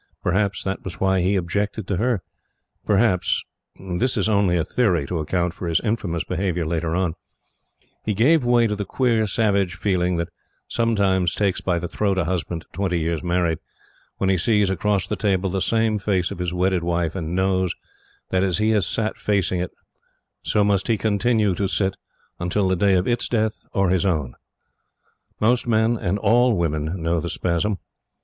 Perhaps that was why he objected to her. Perhaps this is only a theory to account for his infamous behavior later on he gave way to the queer savage feeling that sometimes takes by the throat a husband twenty years' married, when he sees, across the table, the same face of his wedded wife, and knows that, as he has sat facing it, so must he continue to sit until day of its death or his own. Most men and all women know the spasm.